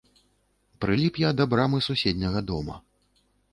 Прыліп я да брамы суседняга дома.